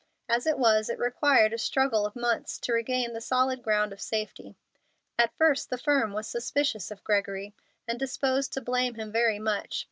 As it was, it required a struggle of months to regain the solid ground of safety. At first the firm was suspicious of Gregory, and disposed to blame him very much.